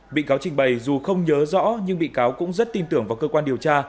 bị cáo trình bày dù không nhớ rõ nhưng bị cáo cũng rất tin tưởng vào cơ quan điều tra